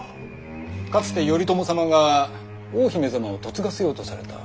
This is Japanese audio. かつて頼朝様が大姫様を嫁がせようとされた。